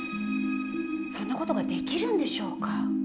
そんな事ができるんでしょうか？